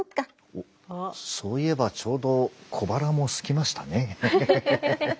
おっそういえばちょうど小腹もすきましたね。